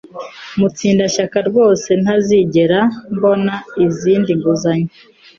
Mutsindashyaka rwose ntazigera mbona indi nguzanyo.